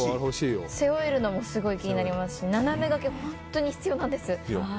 背負うのも気になりますし斜め掛け、本当に必要なんです。